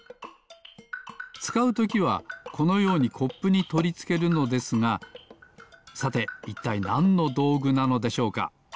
つかうときはこのようにコップにとりつけるのですがさていったいなんのどうぐなのでしょうか？